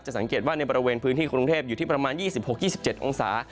สังเกตว่าในบริเวณพื้นที่กรุงเทพอยู่ที่ประมาณ๒๖๒๗องศา